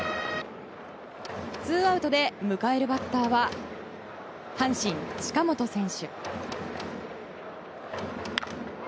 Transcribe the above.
ツーアウトで迎えるバッターは阪神、近本選手。